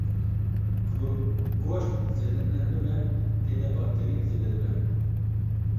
ku goşt zêde nerm bibe tê de bakterî zêde dibe